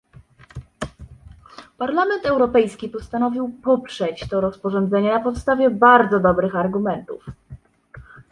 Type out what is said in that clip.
Parlament Europejski postanowił poprzeć to rozporządzenie na podstawie bardzo dobrych argumentów